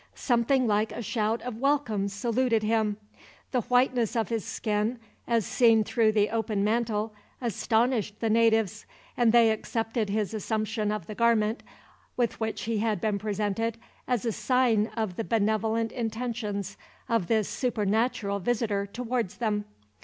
Something like a shout of welcome saluted him. The whiteness of his skin, as seen through the open mantle, astonished the natives; and they accepted his assumption of the garment, with which he had been presented, as a sign of the benevolent intentions of this supernatural visitor towards them.